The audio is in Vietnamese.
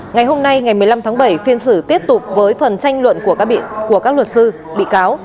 ngày hôm nay ngày một mươi năm tháng bảy phiên xử tiếp tục với phần tranh luận của các luật sư bị cáo